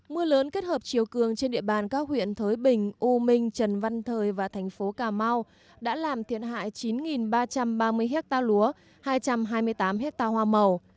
mưa lớn kết hợp chiều cường trên địa bàn các huyện thới bình u minh trần văn thời và thành phố cà mau đã làm thiệt hại chín ba trăm ba mươi hectare lúa hai trăm hai mươi tám hectare hoa màu